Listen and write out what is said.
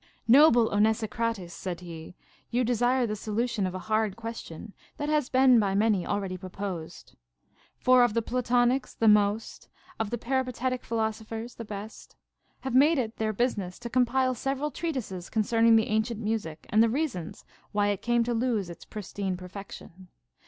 Noble Onesicrates, said he, you desire the solution of a hard question, that has been by many already pro posed. For of the Platonics the most, of the Peripatetic philosophers the best, have made it their business to com pile several treatises concerning the ancient music and the reasons why it came to lose its pristine perfection.